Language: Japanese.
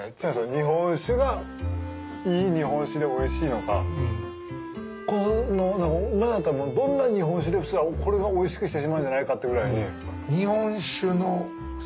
日本酒がいい日本酒でおいしいのかどんな日本酒でもこれがおいしくしてしまうんじゃ。